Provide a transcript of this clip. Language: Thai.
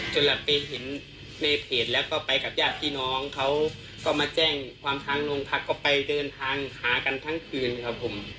เราไปเห็นในเพจแล้วก็ไปกับญาติพี่น้องเขาก็มาแจ้งความทางโรงพักก็ไปเดินทางหากันทั้งคืนครับผม